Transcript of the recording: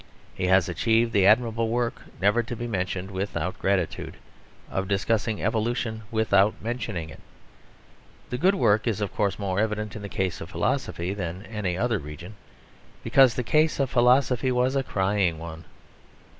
He has achieved the admirable work, never to be mentioned without gratitude, of discussing Evolution without mentioning it. The good work is of course more evident in the case of philosophy than any other region; because the case of philosophy was a crying one.